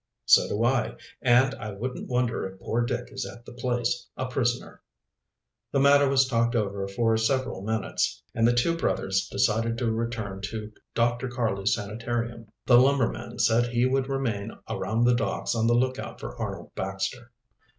"So do I, and I wouldn't wonder if poor Dick is at the place, a prisoner." The matter was talked over for several minutes, and the two brothers decided to return to Dr. Karley's sanitarium. The lumberman said he would remain around the docks on the lookout for Arnold Baxter.